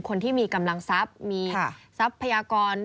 คนที่มีกำลังทรัพย์มีทรัพยากร